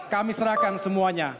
kami serahkan semuanya